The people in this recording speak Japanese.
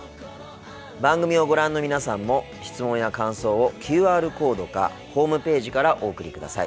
番組をご覧の皆さんも質問や感想をＱＲコードかホームページからお送りください。